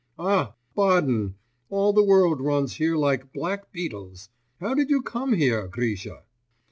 'Ah, Baden! All the world runs here like black beetles! How did you come here, Grisha?